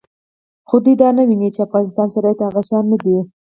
خو دوی دا نه ویني چې د افغانستان شرایط هغه شان نه دي